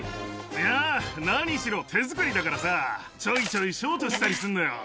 いやー、何しろ手作りだからさ、ちょいちょいショートしたりすんのよ。